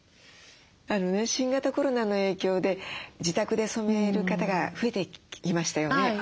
新型コロナの影響で自宅で染める方が増えてきましたよね。